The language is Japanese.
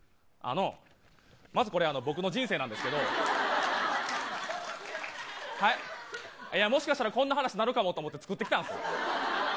まず、これ僕の人生なんですけどもしかしたらこんな話になるかもと思って作ってきたんです。